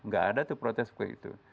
nggak ada tuh protes seperti itu